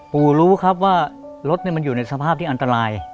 รู้ครับว่ารถมันอยู่ในสภาพที่อันตราย